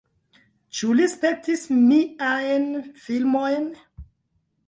Ĉu li spektis miajn filmojn?